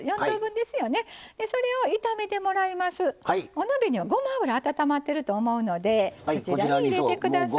お鍋にはごま油温まってると思うのでこちらに入れて下さい。